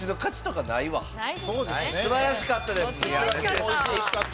すばらしかったです。